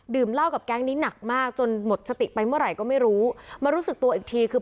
เหล้ากับแก๊งนี้หนักมากจนหมดสติไปเมื่อไหร่ก็ไม่รู้มารู้สึกตัวอีกทีคือ